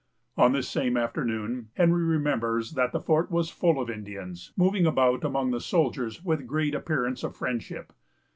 On this same afternoon, Henry remembers that the fort was full of Indians, moving about among the soldiers with a great appearance of friendship.